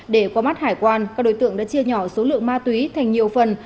để qua mắt hải quan các đối tượng đã chia nhỏ số lượng ma túy thành nhiều phần